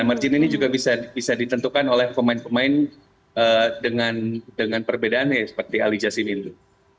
nah margin ini juga bisa ditentukan oleh pemain pemain dengan perbedaannya seperti ali jasim ini